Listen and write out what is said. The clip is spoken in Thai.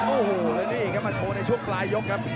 โอ้โหแล้วนี่ครับมาโชว์ในช่วงปลายยกครับ